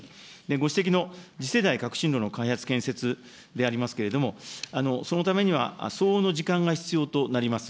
ご指摘の、次世代革新炉の開発建設でありますけれども、そのためには相応の時間が必要となります。